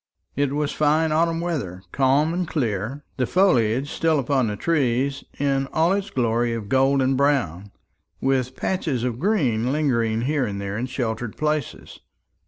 It was fine autumn weather, calm and clear, the foliage still upon the trees, in all its glory of gold and brown, with patches of green lingering here and there in sheltered places.